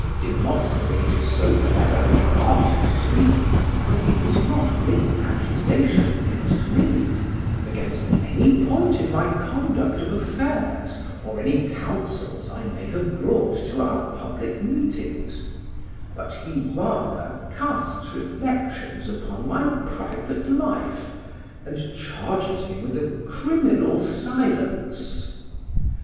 Demosthenes is so clever in the art of speaking that he does not bring accusation against me, against any point in my conduct of affairs or any counsels I may have brought to our public meetings; but he rather casts reflections upon my private life, and charges me with a criminal silence.